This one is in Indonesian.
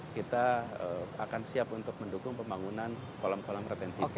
kita akan siap untuk mendukung pembangunan kolam kolam retensi